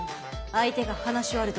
相手が話し終わるとき